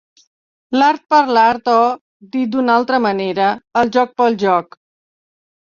L'art per l'art o, dit d'una altra manera, el joc pel joc.